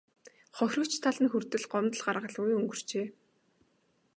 Хохирогч тал нь хүртэл гомдол гаргалгүй өнгөрчээ.